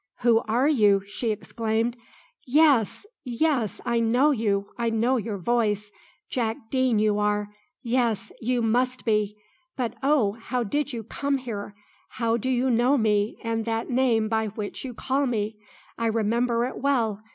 "Who are you?" she exclaimed. "Yes, yes, I know you, I know your voice! Jack Deane you are yes, you must be! But oh, how did you come here? How do you know me, and that name by which you call me? I remember it well.